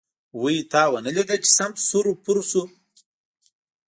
وی تا ونه ليده چې سم سور و پور شو.